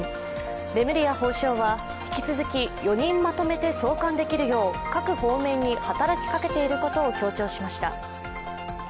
レムリヤ法相は引き続き４人まとめて送還できるよう各方面に働きかけていることを強調しました。